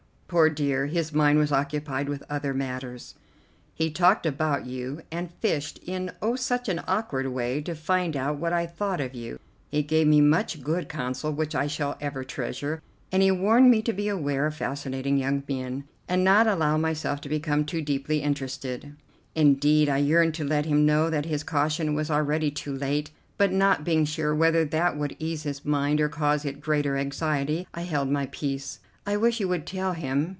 Poor dear, his mind was occupied with other matters. He talked about you, and fished, in, oh, such an awkward way, to find out what I thought of you. He gave me much good counsel which I shall ever treasure, and he warned me to beware of fascinating young men, and not allow myself to become too deeply interested. Indeed I yearned to let him know that his caution was already too late; but, not being sure whether that would ease his mind or cause it greater anxiety, I held my peace. I wish you would tell him.